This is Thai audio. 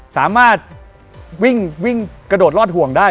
สามารถวิ่งกระโดดรอดห่วงได้